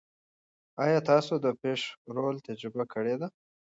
ایا تاسو د فش رول تجربه کړې ده؟